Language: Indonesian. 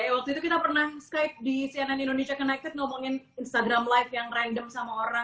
waktu itu kita pernah skype di cnn indonesia connected ngomongin instagram live yang random sama orang